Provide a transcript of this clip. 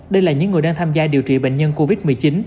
đây là những người đang tham gia điều trị bệnh nhân covid một mươi chín